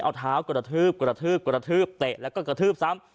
เอาเท้ากระทืบกระทืบกระทืบเตะแล้วก็กระทืบซ้ำ